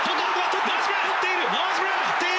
捕っている！